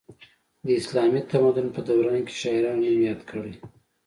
د اسلامي تمدن په دوران کې شاعرانو نوم یاد کړی.